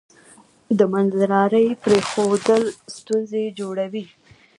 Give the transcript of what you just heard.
د منځلارۍ پریښودل ستونزې جوړوي.